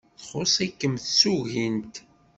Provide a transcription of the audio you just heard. Txuṣṣ-ikem tsugint.